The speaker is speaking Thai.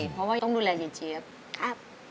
เพราะว่าต้องดูแลเฮียบครับ